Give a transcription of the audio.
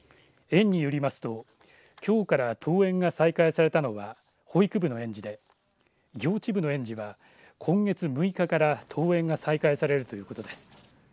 園によりますときょうから登園が再開されたのは保育部の園児で幼稚部の園児は今月６日から登園が再開されるということです。